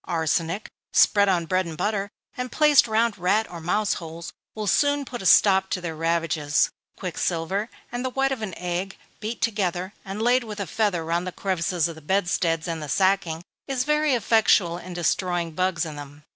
Arsenic, spread on bread and butter, and placed round rat or mouse holes, will soon put a stop to their ravages. Quicksilver and the white of an egg, beat together, and laid with a feather round the crevices of the bedsteads and the sacking, is very effectual in destroying bugs in them.